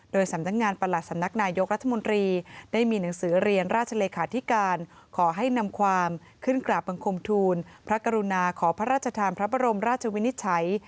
โดยสำนักงานประหลัดสำนักนายกรัฐมนตรีได้มีหนังสือเรียนราชเลขาธิการขอให้นำความขึ้นกราบบังคมทูลพระกรุณาขอพระราชทานพระบรมราชวินิจฉัย